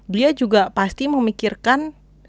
dia juga pasti memikirkan